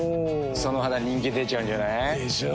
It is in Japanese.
その肌人気出ちゃうんじゃない？でしょう。